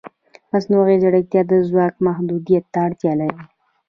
مصنوعي ځیرکتیا د ځواک محدودیت ته اړتیا لري.